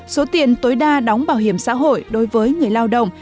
số tiền tối đa đóng bảo hiểm xã hội đối với người lao động